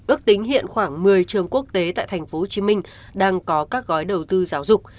ước tính hiện khoảng một mươi trường quốc tế tại tp hcm đang có các gói đầu tư giáo dục